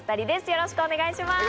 よろしくお願いします。